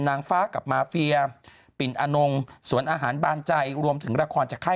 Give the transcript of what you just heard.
นางฟ้ากับมาเฟียปิ่นอนงสวนอาหารบานใจรวมถึงละครจากค่าย